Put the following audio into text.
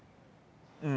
うん。